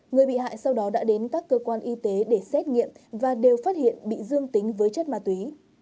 người bị hại sau đó đã đến các cơ quan y tế để xét nghiệm và đều phát hiện bị dương tính với chất ma túy